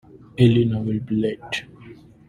Elena will be late.